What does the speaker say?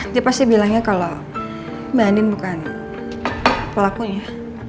dia pasti bilangnya kalau mbak anin bukan pelakunya